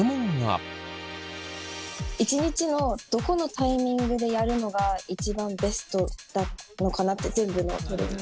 １日のどこのタイミングでやるのが一番ベストなのかなって全部のトレーニング。